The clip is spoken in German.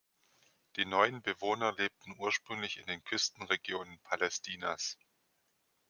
Die neuen Bewohner lebten ursprünglich in den Küstenregionen Palästinas.